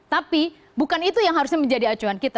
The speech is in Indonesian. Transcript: tapi bukan itu yang harusnya menjadi acuan kita